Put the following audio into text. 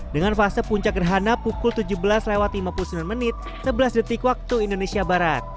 dengan fase puncak gerhana pukul tujuh belas lima puluh sembilan sebelas wib